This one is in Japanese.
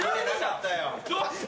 ・どうした？